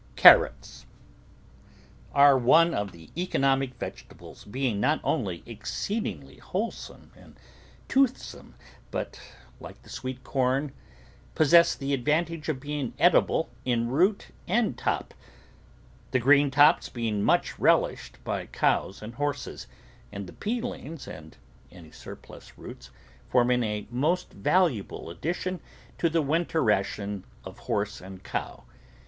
CARROTS Are one of the economic vegetables, being not only exceedingly wholesome and toothsome, but, like the sweet corn, possess the advantage of being edible in root and toj^, the green tops being much relished by cows and horses, and the peelings and any sur plus roots forming a most valuable addition to the winter ration of horse and cow.